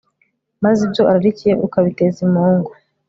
maze ibyo ararikiye ukabiteza imungu